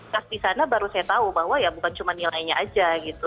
pas di sana baru saya tahu bahwa ya bukan cuma nilainya aja gitu